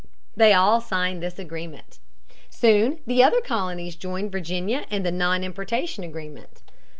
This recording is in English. They all signed this agreement. Soon the other colonies joined Virginia in the Non Importation Agreement.